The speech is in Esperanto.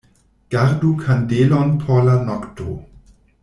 Gardu kandelon por la nokto.